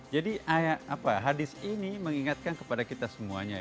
jadi hadis ini mengingatkan kepada kita semuanya